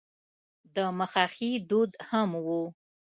د مخه ښې دود هم و.